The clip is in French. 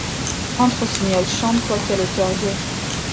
Chante, rossignol, chante, toi qui as le cœur gai.